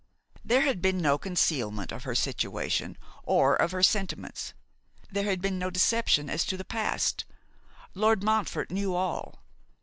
There had been no concealment of her situation, or of her sentiments. There had been no deception as to the past. Lord Montfort knew all.